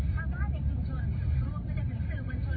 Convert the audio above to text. ภาพบ้าเด็กขึ้นชนบรูปก็จะถึงสื่อวันชน